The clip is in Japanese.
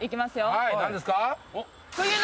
はい何ですか？